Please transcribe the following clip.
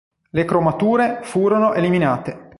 Le cromature furono eliminate.